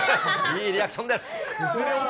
いいリアクションです。